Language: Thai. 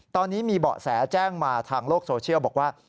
ตอนนี้มีเบาะแสแจ้งมาทางโลกโซเชียลบอกว่า